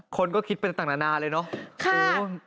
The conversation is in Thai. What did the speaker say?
คนก็คิดไปต่างเลยเนาะ